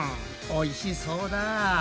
おいしそうだ。